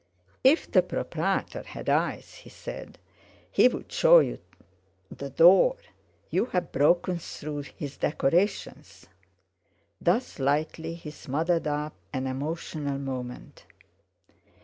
"If the proprietor had eyes," he said, "he would show you the door; you have broken through his decorations." Thus lightly he smothered up an emotional moment.